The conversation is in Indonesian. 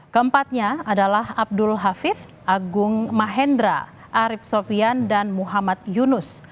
keempatnya adalah abdul hafid agung mahendra arief sofian dan muhammad yunus